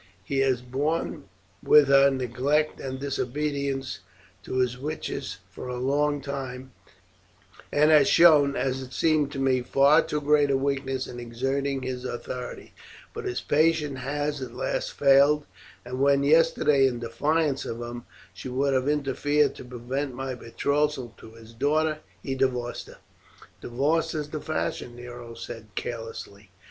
He has borne with her neglect and disobedience to his wishes for a long time, and has shown, as it seemed to me, far too great a weakness in exerting his authority; but his patience has at last failed, and when yesterday, in defiance of him, she would have interfered to prevent my betrothal to his daughter, he divorced her." "Divorce is the fashion," Nero said carelessly.